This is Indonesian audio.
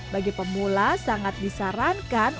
bagi pemula sangat disarankan